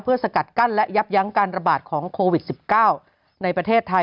สกัดกั้นและยับยั้งการระบาดของโควิด๑๙ในประเทศไทย